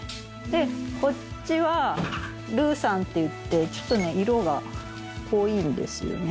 でこっちはルーサンっていってちょっとね色が濃いんですよね。